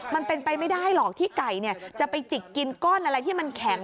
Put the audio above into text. มันเป็นไปไม่ได้หรอกที่ไก่จะไปจิกกินก้อนอะไรที่มันแข็ง